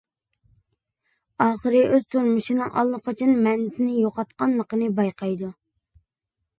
ئاخىرى ئۆز تۇرمۇشىنىڭ ئاللىقاچان مەنىسىنى يوقاتقانلىقىنى بايقايدۇ.